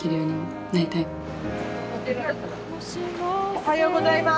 おはようございます。